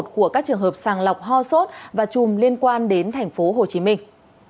của các trường hợp sàng lọc ho sốt và chùm liên quan đến thành phố hồ chí minh